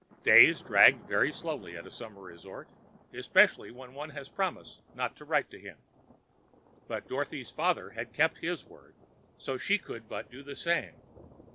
Days drag very slowly at a summer resort, especially when one has promised not to write to him. But Dorothy's father had kept his word, so she could but do the same.